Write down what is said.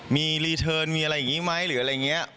มีรีเทิร์นมีอะไรอย่างนะ